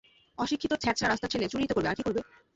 অশিক্ষিত, ছ্যাছড়া, রাস্তার ছেলে, চুরিই তো করবে, আর কী করবে?